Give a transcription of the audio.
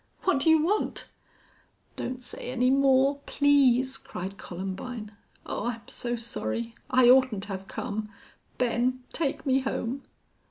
What do you want?" "Don't say any more please," cried Columbine. "Oh, I'm so sorry.... I oughtn't have come.... Ben, take me home."